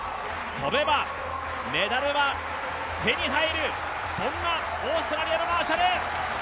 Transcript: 跳べば、メダルは手に入るそんなオーストラリアのマーシャル。